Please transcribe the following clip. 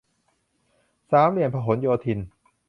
สามเหลี่ยมพหลโยธิน